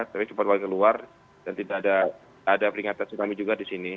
tapi sempat keluar dan tidak ada peringatan tsunami juga di sini